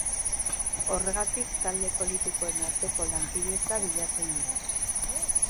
Horregatik, talde politikoen arteko lankidetza bilatzen du.